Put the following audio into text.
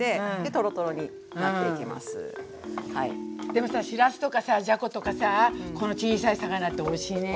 でもさしらすとかさじゃことかさこの小さい魚っておいしいね。